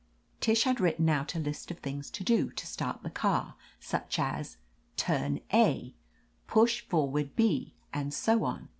Tish had written out a list of things to do to start the car, such as "Turn A," "Push forward B/' and so on.